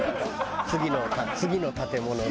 次の建物の。